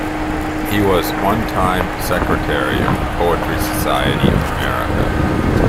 He was one time secretary of the Poetry Society of America.